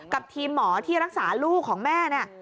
กับทีมหมอที่รักษาลูกของแม่เนี่ย